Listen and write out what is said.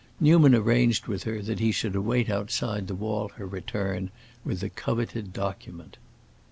Newman arranged with her that he should await outside the wall her return with the coveted document.